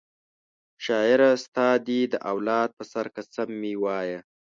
شاعره ستا دي د اولاد په سر قسم وي وایه